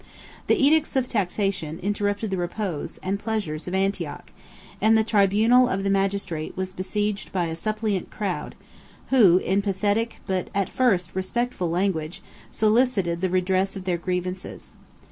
The edicts of taxation interrupted the repose, and pleasures, of Antioch; and the tribunal of the magistrate was besieged by a suppliant crowd; who, in pathetic, but, at first, in respectful language, solicited the redress of their grievances.